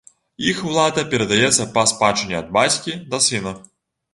Іх улада перадаецца па спадчыне ад бацькі да сына.